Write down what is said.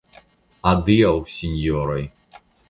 Adiaŭ sinjoroj.